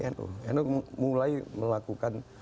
nu mulai melakukan